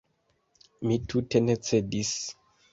Mi tute ne cedis.